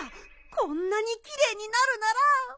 こんなにきれいになるなら。